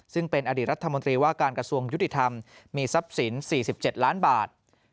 ซึ่งเป็นอดีตรัฐมนตรีว่าการกระทรวงยุติธรรมมีทรัพย์สิน๔๗ล้านบาท